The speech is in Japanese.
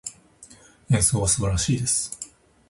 演奏は素晴らしいです。